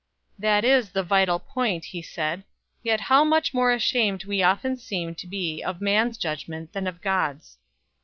"That is the vital point," he said. "Yet how much more ashamed we often seem to be of man's judgment than of God's."